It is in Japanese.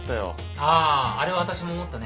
あああれは私も思ったね。